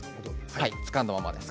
つかんだままです。